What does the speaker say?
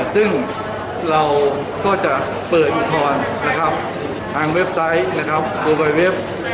ซึ่งเราก็จะเปิดอุทธรณ์ทางเว็บไซต์โรคไว้เว็บ